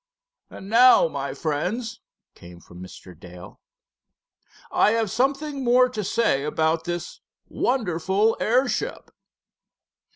"And now, my friends," came from Mr. Dale. "I have something more to say about this wonderful airship."